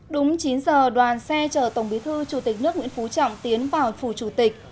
đúng chín giờ đoàn xe chở tổng bí thư chủ tịch nước nguyễn phú trọng tiến vào phủ chủ tịch